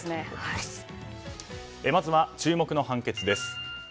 まずは注目の判決です。